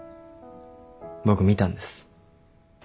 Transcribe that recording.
僕見たんです。